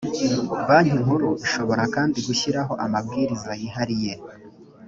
banki nkuru ishobora kandi gushyiraho amabwiriza yihariye